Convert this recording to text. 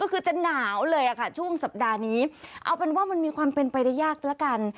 ก็คือจะหนาวเลยค่ะช่วงสัปดาห์นี้เอาเป็นว่ามันมีความเป็นไปได้ยากละกัน